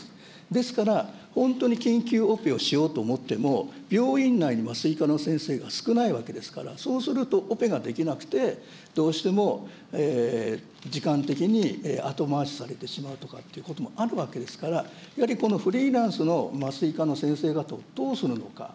ですから、本当に緊急オペをしようと思っても、病院内に麻酔科の先生が少ないわけですから、そうするとオペができなくて、どうしても時間的に後回しされてしまうということもあるわけですから、やはりこのフリーランスの麻酔科の先生方をどうするのか。